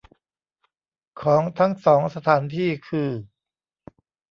ของทั้งสองสถานที่คือ